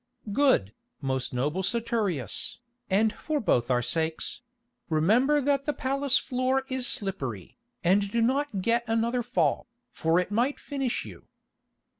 "Good, most noble Saturius, and for both our sakes—remember that the palace floor is slippery, and do not get another fall, for it might finish you."